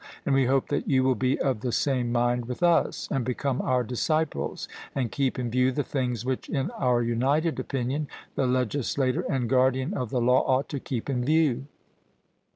And we hope that you will be of the same mind with us, and become our disciples, and keep in view the things which in our united opinion the legislator and guardian of the law ought to keep in view.